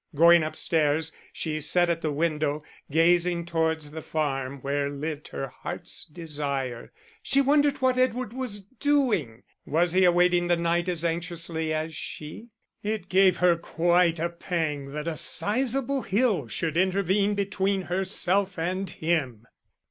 Going upstairs she sat at the window, gazing towards the farm where lived her heart's desire. She wondered what Edward was doing! was he awaiting the night as anxiously as she? It gave her quite a pang that a sizeable hill should intervene between herself and him.